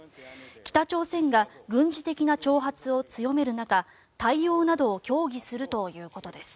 北朝鮮が軍事的な挑発を強める中対応などを協議するということです。